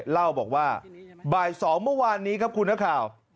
เล่าบอกว่าบ่าย๒เมื่อวานนี้ครับคุณนักข่าว